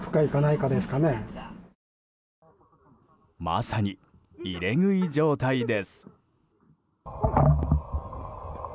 まさに、入れ食い状態です。